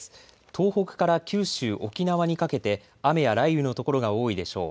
東北から九州、沖縄にかけて雨や雷雨の所が多いでしょう。